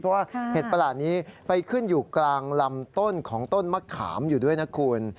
เพราะว่าเห็ดประหลาดนี้ไปขึ้นอยู่กลางลำต้นของต้นมะขามอยู่ด้วยนะคุณ